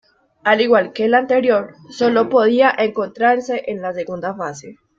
Al igual que el anterior, solo podía encontrarse en la segunda fase.